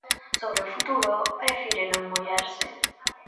Sobre o futuro, prefire non mollarse.